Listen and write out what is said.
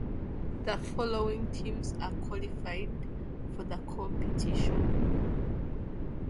The following teams are qualified for the competition.